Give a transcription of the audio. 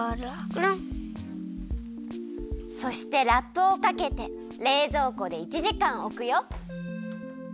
そしてラップをかけてれいぞうこで１時間おくよ。